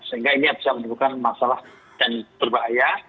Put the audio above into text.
sehingga ini bisa menimbulkan masalah dan berbahaya